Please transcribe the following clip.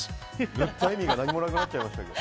塗った意味が何もなくなっちゃいましたけど。